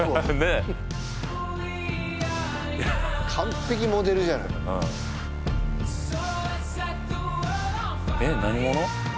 完璧モデルじゃないえっ何者？